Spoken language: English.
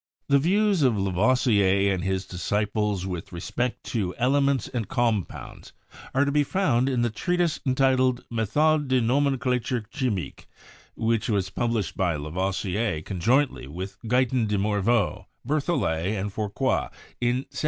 The views of Lavoisier and his disciples with respect to elements and compounds are to be found in the treatise entitled "Methode de nomenclature chimique," which was published by Lavoisier conjointly with Guyton de Mor veau, Berthollet, and Fourcroy, in 1787.